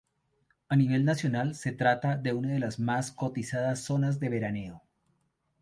A nivel nacional, se trata de una de las más cotizadas zonas de veraneo.